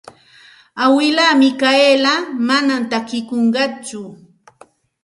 Awilaa Mikayla manam takikunqatsu.